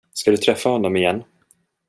Ska du träffa honom igen?